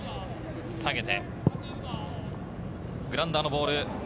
下げて、グラウンダーのボール。